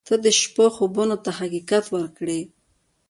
• ته د شپو خوبونو ته حقیقت ورکړې.